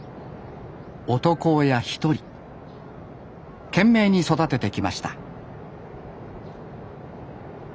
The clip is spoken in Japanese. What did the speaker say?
男親一人懸命に育ててきました